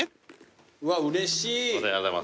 うわうれしい。